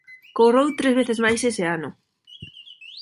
Correu tres veces máis ese ano.